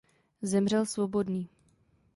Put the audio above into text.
Zemřel svobodný.